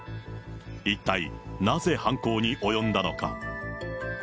一体、なぜ犯行に及んだのか。